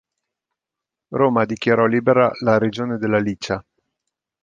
Roma dichiarò libera la regione della Licia.